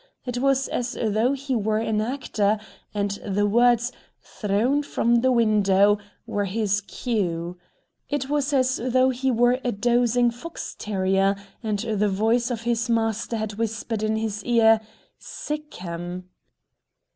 It was as though he were an actor, and the words "thrown from the window" were his cue. It was as though he were a dozing fox terrier, and the voice of his master had whispered in his ear: "Sick'em!"